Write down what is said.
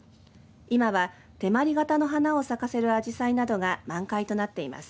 今は手まり型の花を咲かせるあじさいなどが満開となっています。